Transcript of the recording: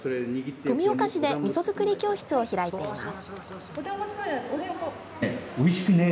富岡市でみそ造り教室を開いています。